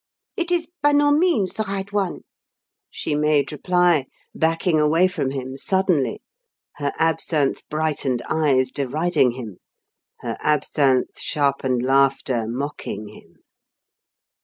It is by no means the right one!" she made reply, backing away from him suddenly, her absinthe brightened eyes deriding him, her absinthe sharpened laughter mocking him.